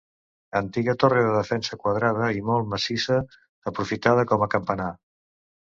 Antiga torre de defensa quadrada i molt massissa, aprofitada com a campanar.